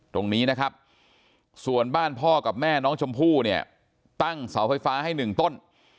ตรงนี้นะครับส่วนบ้านพ่อกับแม่น้องชมพู่เนี่ยตั้งเสาไฟฟ้าให้หนึ่งต้น